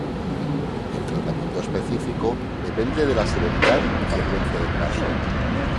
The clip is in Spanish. El tratamiento específico depende de la severidad y frecuencia del caso.